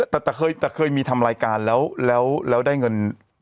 แต่เคยมีทำรายการแล้วได้เงิน